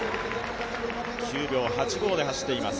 ９秒８５で走っています。